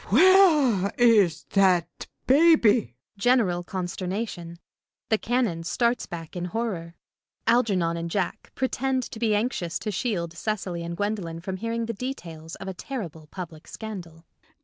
Where is that baby? [General consternation. The Canon starts back in horror. Algernon and Jack pretend to be anxious to shield Cecily and Gwendolen from hearing the details of a terrible public scandal.